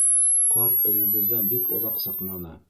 Ҡарт өйөбөҙҙән бик оҙаҡ сыҡманы.